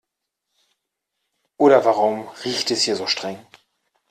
Oder warum riecht es hier so streng?